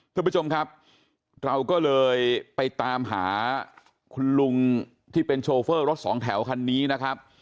คุณผู้ชมครับเราก็เลยไปตามหาคุณลุงที่เป็นโชเฟอร์รถสองแถวคันนี้นะครับ